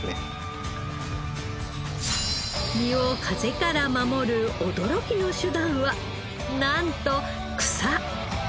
実を風から守る驚きの手段はなんと草！